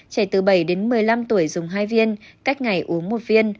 trẻ từ bảy đến một mươi năm tuổi dùng hai viên cách ngày uống một viên